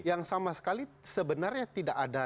yang sama sekali sebenarnya tidak ada